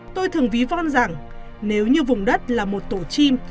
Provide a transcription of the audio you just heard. tôi thường ví von rằng nếu như vùng đất là một tổ chim